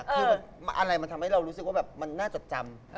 คืออะไรมันทำให้เรารู้สึกว่าแบบมันน่าจดจำ